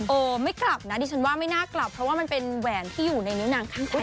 ไม่กลับนะดิฉันว่าไม่น่ากลับเพราะว่ามันเป็นแหวนที่อยู่ในนิ้วนางข้างต้น